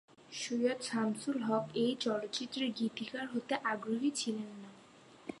সৈয়দ শামসুল হক এই চলচ্চিত্রের গীতিকার হতে আগ্রহী ছিলেন না।